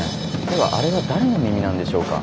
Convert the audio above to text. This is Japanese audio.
ではあれは誰の耳なんでしょうか？